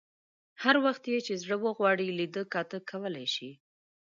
هر وخت یې چې زړه وغواړي لیده کاته کولای شي.